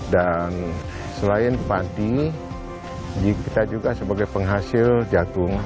dan selain padi kita juga sebagai penghasil jagung